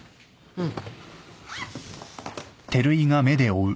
うん。